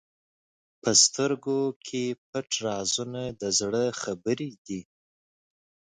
په سترګو کې پټ رازونه د زړه خبرې دي.